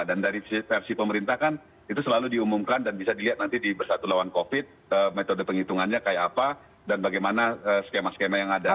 dan dari versi pemerintah kan itu selalu diumumkan dan bisa dilihat nanti di bersatu lawan covid metode penghitungannya kayak apa dan bagaimana skema skema yang ada